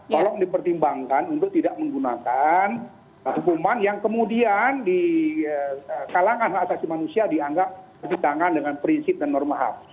tolong dipertimbangkan untuk tidak menggunakan hukuman yang kemudian di kalangan hak asasi manusia dianggap lebih tangan dengan prinsip dan norma ham